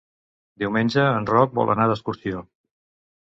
Diumenge en Roc vol anar d'excursió.